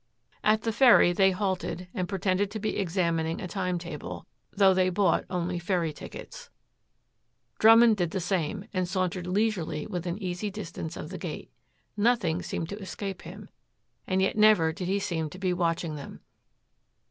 At the ferry they halted and pretended to be examining a time table, though they bought only ferry tickets. Drummond did the same, and sauntered leisurely within easy distance of the gate. Nothing seemed to escape him, and yet never did he seem to be watching them.